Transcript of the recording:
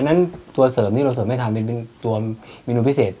นั้นตัวเสริมที่เราเสริมให้ทำเป็นตัวเมนูพิเศษ